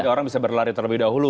orang bisa berlari terlebih dahulu